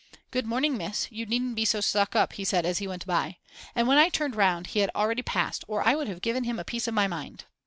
Good morning, Miss, you needn't be so stuck up, he said as he went by. And when I turned round he had already passed, or I would have given him a piece of my mind.